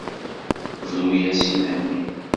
Bru-as i Mhenni.